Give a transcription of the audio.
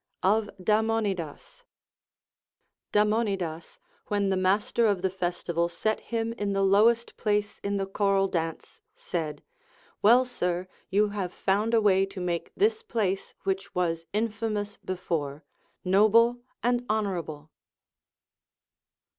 Of Damonidas. Damonidas, when the master of the festival set him in the lowest place in the choral dance, said, AVell, sir, you have found a way to make this place, which was infamous before, noble and honorable.